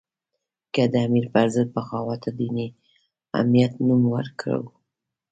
که د امیر په ضد بغاوت ته دیني حمیت نوم ورکړو.